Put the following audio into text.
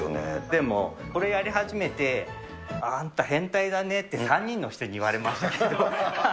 でも、これやり始めて、あんた変態だねって、３人の人に言われましたけど。